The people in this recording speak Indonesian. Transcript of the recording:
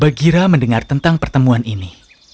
bagira mendengar tentang pertemuan ini